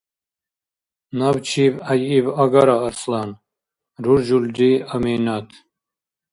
– Набчиб гӀяйиб агара, Арслан, – руржулри Аминат.